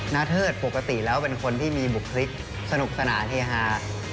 เทิดปกติแล้วเป็นคนที่มีบุคลิกสนุกสนานเฮฮา